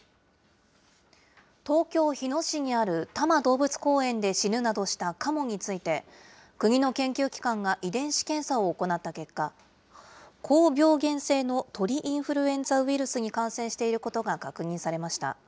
東京・日野市にある多摩動物公園で死ぬなどしたカモについて、国の研究機関が遺伝子検査を行った結果、高病原性の鳥インフルエンザウイルスに感染していることが確認されました。